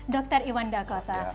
dr iwan dakota